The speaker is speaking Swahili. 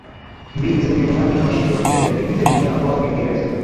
mbili za Ujerumani na washindi wa Vita vya Pili vya Dunia ambao ni Uingereza